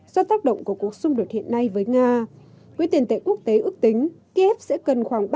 do tác động của cuộc xung đột hiện nay với nga quỹ tiền tệ quốc tế ước tính kiev sẽ cần khoảng